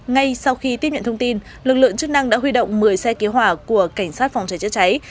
ngay sau khi tiếp nhận thông tin lực lượng chức năng đã huy động một mươi xe cứu hỏa của cảnh sát phòng cháy chữa cháy